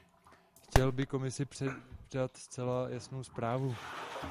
Chtěl bych Komisi předat zcela jasnou zprávu.